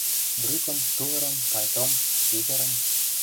Брюкым, тувырым, пальтом, свитерым...